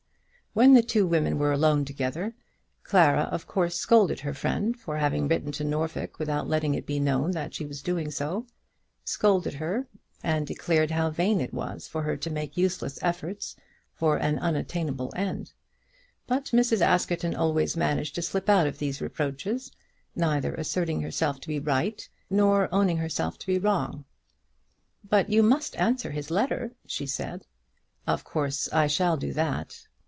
When the two women were alone together, Clara, of course, scolded her friend for having written to Norfolk without letting it be known that she was doing so; scolded her, and declared how vain it was for her to make useless efforts for an unattainable end; but Mrs. Askerton always managed to slip out of these reproaches, neither asserting herself to be right, nor owning herself to be wrong. "But you must answer his letter," she said. "Of course I shall do that."